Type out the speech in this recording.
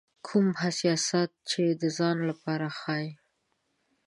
کوم حساسیت چې د ځان لپاره ښيي.